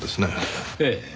ええ。